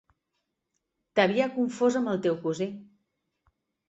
T'havia confós amb el teu cosí.